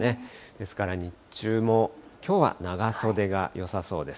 ですから日中も、きょうは長袖がよさそうです。